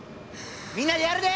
みんなでやるで！